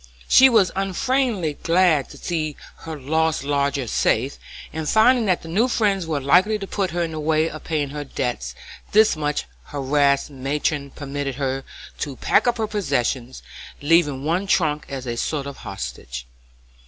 She was unfeignedly glad to see her lost lodger safe, and finding that the new friends were likely to put her in the way of paying her debts, this much harassed matron permitted her to pack up her possessions, leaving one trunk as a sort of hostage.